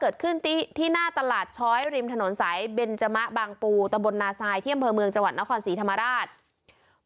เกิดขึ้นที่หน้าตลาดช้อยริมถนนสายเบนจมะบางปูตะบลนาซายที่อำเภอเมืองจังหวัดนครศรีธรรมราช